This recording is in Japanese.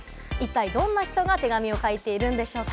一体どんな人が手紙を書いているんでしょうか？